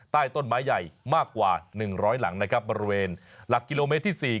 ใต้ต้นไม้ใหญ่มากกว่า๑๐๐หลังนะครับบริเวณหลักกิโลเมตรที่๔